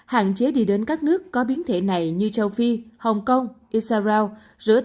hạn chế đi đến các nước có biến thể này như châu phi hong kong israel rửa tay giữ khoảng cách đeo khẩu trang